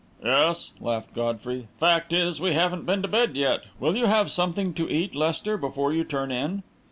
"Yes," laughed Godfrey; "fact is, we haven't been to bed yet. Will you have something to eat, Lester, before you turn in?"